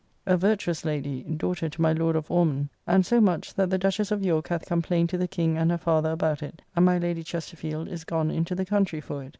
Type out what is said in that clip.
] (a virtuous lady, daughter to my Lord of Ormond); and so much, that the duchess of York hath complained to the King and her father about it, and my Lady Chesterfield is gone into the country for it.